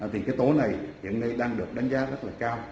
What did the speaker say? thì cái tổ này hiện nay đang được đánh giá rất là cao